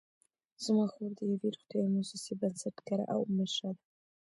زما خور د یوې روغتیايي مؤسسې بنسټګره او مشره ده